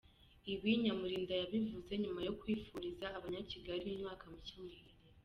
Ibi Nyamulinda yabivuze nyuma yo kwifuriza Abanyakigali umwaka mushya muhire.